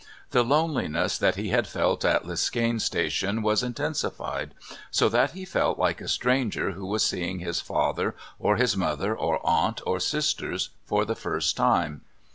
The loneliness that he had felt at Liskane Station was intensified, so that he felt like a stranger who was seeing his father, or his mother, or aunt, or sisters for the first time.